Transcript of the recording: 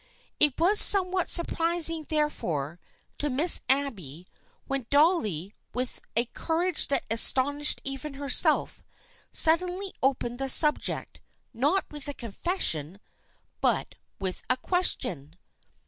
It was somewhat surprising, therefore, to Miss Abby when Dolly, with a courage that astonished even herself, suddenly opened the subject, not with a confession, but with a question.